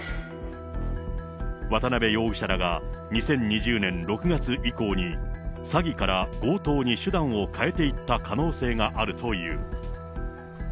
渡辺容疑者らが２０２０年６月以降に、詐欺から強盗に手段を変えていった可能性があるという。